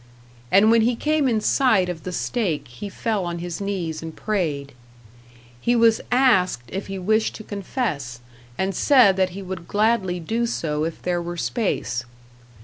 and when he came in sight of the stake he fell on his knees and prayed. He was asked if he wished to confess, and said that he would gladly do so if there were space.